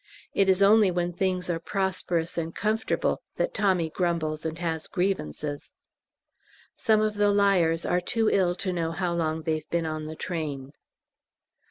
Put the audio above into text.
It is only when things are prosperous and comfortable that Tommy grumbles and has grievances. Some of the liers are too ill to know how long they've been on the train.